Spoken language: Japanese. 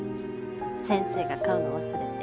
先生が買うの忘れて。